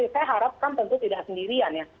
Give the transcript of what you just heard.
saya harapkan tentu tidak sendirian ya